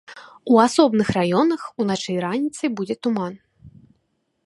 У асобных раёнах уначы і раніцай будзе туман.